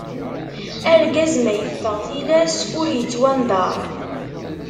Argaz ma iffeɣ tilas, ur ittwandaṛ.